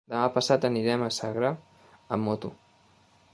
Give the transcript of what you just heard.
Demà passat anirem a Sagra amb moto.